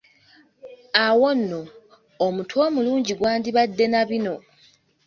Awo nno, omutwe omulungi gwandibadde na bino: